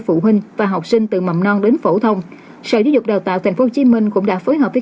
phụ huynh và học sinh từ mầm non đến phổ thông sở giáo dục đào tạo tp hcm cũng đã phối hợp với